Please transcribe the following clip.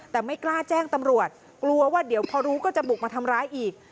แต่ไม่กล้าแจ้งตำรวจกลัวว่าเดี๋ยวพอรู้ก็จะบุกมาทำร้ายอีก